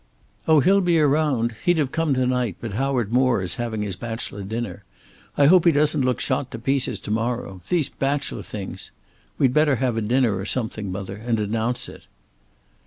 "Oh, he'll be around. He'd have come to night, but Howard Moore is having his bachelor dinner. I hope he doesn't look shot to pieces to morrow. These bachelor things ! We'd better have a dinner or something, mother, and announce it."